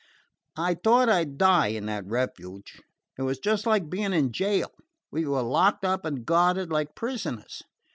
"I thought I 'd die in that 'refuge.' It was just like being in jail. We were locked up and guarded like prisoners.